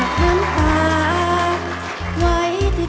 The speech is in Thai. ไว้ที่แก่ร้องให้ชัดท่อยชัดคำนี้แค่ไหน